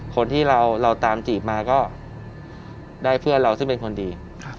คนที่เราตามจีบมาก็ได้เพื่อนเราซึ่งเป็นคนดี